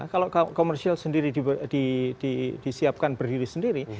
kalau komersial sendiri disiapkan berdiri sendiri